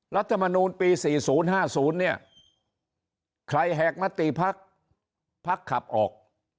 รัฐมนูลปี๔๐๕๐เนี่ยใครแหกมติพักพักขับออก